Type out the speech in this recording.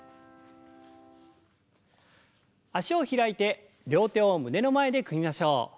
脚を開いて両手を胸の前で組みましょう。